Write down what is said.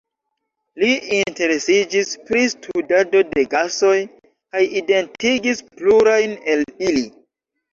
Li interesiĝis pri studado de gasoj kaj identigis plurajn el ili.